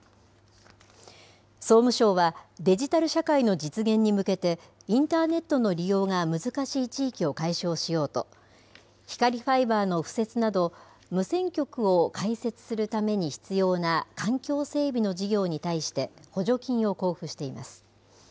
総務省は、デジタル社会の実現に向けて、インターネットの利用が難しい地域を解消しようと、光ファイバーの敷設など、無線局を開設するために必要な環境整備の事業に対して補助金を交付しています。